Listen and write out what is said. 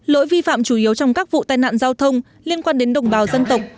lỗi vi phạm chủ yếu trong các vụ tai nạn giao thông liên quan đến đồng bào dân tộc